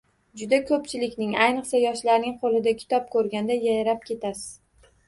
Juda koʻpchilikning, ayniqsa, yoshlarning qoʻlida kitob koʻrganda yayrab ketasiz.